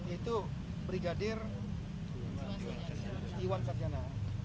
itu brigadir iwan karjana